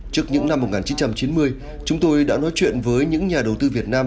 trước những năm một nghìn chín trăm chín mươi chúng tôi đã nói chuyện với những nhà đầu tư việt nam